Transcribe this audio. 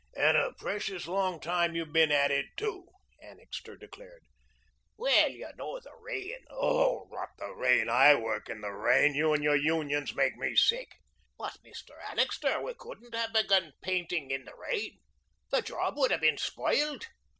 "And a precious long time you've been at it, too," Annixter declared. "Well, you know the rain " "Oh, rot the rain! I work in the rain. You and your unions make me sick." "But, Mr. Annixter, we couldn't have begun painting in the rain. The job would have been spoiled."